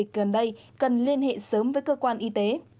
các bệnh viện gần đây cần liên hệ sớm với cơ quan y tế